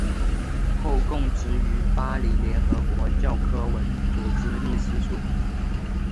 后供职于巴黎联合国教科文组织秘书处。